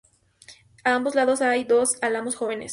A ambos lados hay dos álamos jóvenes.